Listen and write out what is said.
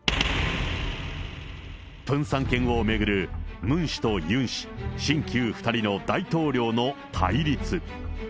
プンサン犬を巡る、ムン氏とユン氏、新旧２人の大統領の対立。